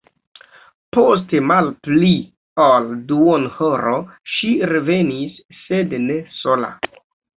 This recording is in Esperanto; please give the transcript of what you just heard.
Post malpli ol duonhoro ŝi revenis, sed ne sola.